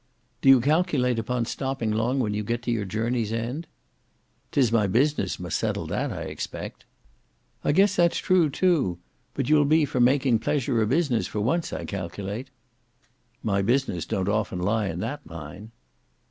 "Do you calculate upon stopping long when you get to your journey's end?" "'Tis my business must settle that, I expect?" "I guess that's true, too; but you'll be for making pleasure a business for once, I calculate?" "My business don't often lie in that line."